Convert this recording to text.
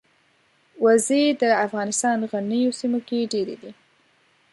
وزې د افغانستان غرنیو سیمو کې ډېرې دي